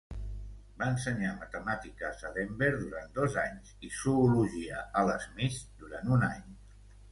Va ensenyar matemàtiques a Denver durant dos anys i zoologia a l'Smith durant un any.